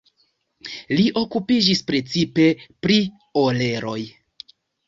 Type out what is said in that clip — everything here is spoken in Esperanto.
Li okupiĝis precipe pri oreloj.